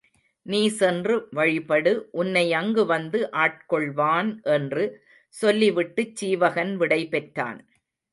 நீ சென்று வழிபடு உன்னை அங்கு வந்து ஆட் கொள்வான் என்று சொல்லிவிட்டுச் சீவகன் விடை பெற்றான்.